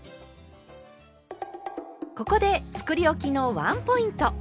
ここでつくりおきのワンポイント。